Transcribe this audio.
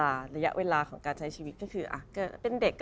อาละละยะเวลาของการใช้ชีวิตก็คืออ่ะก็เป็นเด็กก็